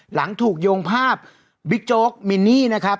หลังถูกโยงภาพบิ๊กโจ๊กมินนี่นะครับ